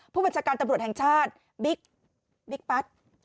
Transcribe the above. ผู้บัญชาการตำรวจแห่งชาติบิ๊กปั๊ด